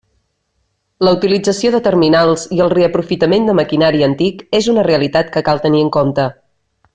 La utilització de terminals i el reaprofitament de maquinari antic és una realitat que cal tenir en compte.